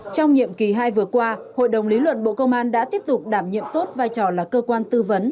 trong nhiệm kỳ hai vừa qua hội đồng lý luận bộ công an đã tiếp tục đảm nhiệm tốt vai trò là cơ quan tư vấn